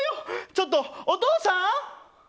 ちょっと、お父さん！